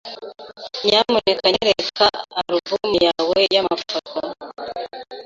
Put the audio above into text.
Nyamuneka nyereka alubumu yawe y'amafoto?